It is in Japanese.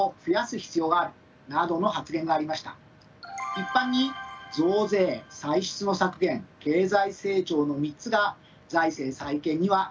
一般に増税歳出の削減経済成長の３つが財政再建には必要です。